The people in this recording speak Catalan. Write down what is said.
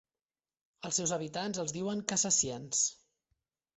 Als seus habitants els diuen "cassassiens".